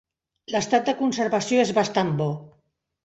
L'estat de conservació és bastant bo.